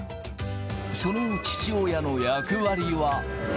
その父親の役割は。